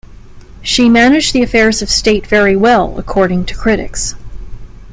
She managed the affairs of state very well, according to critics.